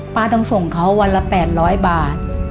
ต้องส่งเขาวันละ๘๐๐บาท